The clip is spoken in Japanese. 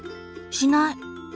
しない。